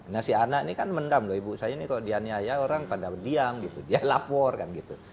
nah si anak ini kan mendam loh ibu saya ini kalau dianiaya orang pada diam gitu dia lapor kan gitu